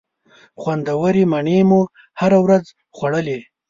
خوندورې مڼې مو هره ورځ خوړلې.